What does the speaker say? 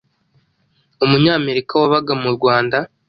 Umunyamerika wabaga mu Rwanda,